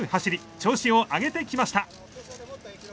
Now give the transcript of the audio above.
調子を上げてきました。